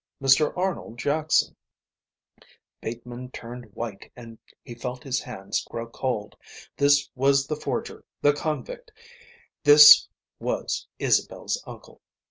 "Mr Arnold Jackson." Bateman turned white and he felt his hands grow cold. This was the forger, the convict, this was Isabel's uncle.